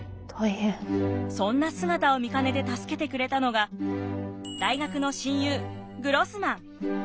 そんな姿を見かねて助けてくれたのが大学の親友グロスマン。